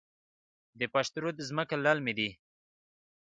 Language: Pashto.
د پشت رود ځمکې للمي دي